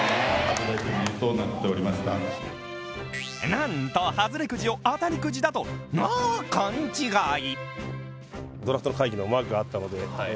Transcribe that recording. なんと外れくじを当たりくじだとあぁ勘違い！